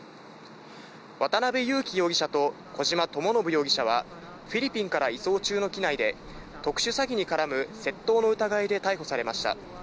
渡辺優樹容疑者と小島智信容疑者はフィリピンから移送中の機内で特殊詐欺に絡む窃盗の疑いで逮捕されました。